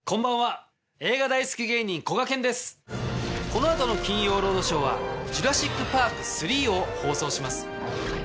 この後の『金曜ロードショー』は『ジュラシック・パーク』を放送します。